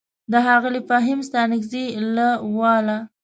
د ښاغلي فهيم ستانکزي له واله: